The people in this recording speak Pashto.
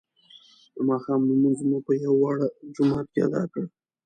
د ماښام لمونځ مو په یوه واړه جومات کې ادا کړ.